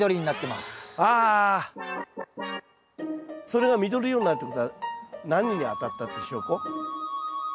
それが緑色になるということは何に当たったって証拠？